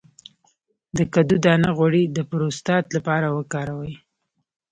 د کدو دانه غوړي د پروستات لپاره وکاروئ